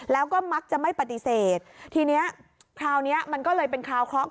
แล้วก็มักจะไม่ปฏิเสธทีเนี้ยคราวนี้มันก็เลยเป็นคราวเคราะห